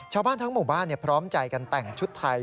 ชาวบ้านทั้งหมู่บ้านพร้อมใจกันแต่งชุดไทย